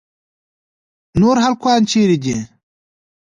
نور هلکان چیرې دي.